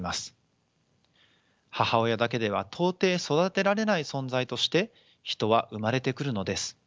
母親だけでは到底育てられない存在として人は生まれてくるのです。